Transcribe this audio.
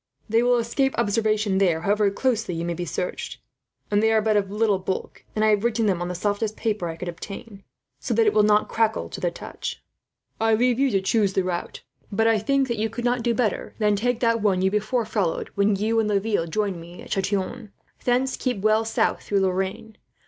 They will escape observation there, however closely you may be searched; for they are but of little bulk, and I have written them on the softest paper I could obtain, so that it will not crackle to the touch. "I leave it to yourself to choose the route; but I think that you could not do better than take that one you before followed, when you and Laville joined me at Chatillon. Thence keep well south through Lorraine.